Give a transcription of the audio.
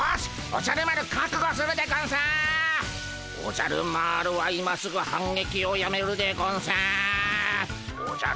おじゃる丸は今すぐ反撃をやめるでゴンス。